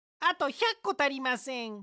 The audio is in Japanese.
あと１００こたりません。